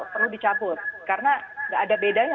perlu dicabut karena nggak ada bedanya